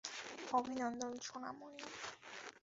অভিনন্দন, সোনামণি।